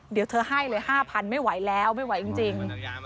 เดี๋ยวเธอให้เลย๕๐๐ไม่ไหวแล้วไม่ไหวจริง